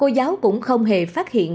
cô giáo cũng không hề phát hiện